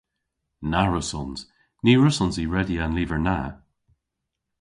Na wrussons. Ny wrussons i redya an lyver na.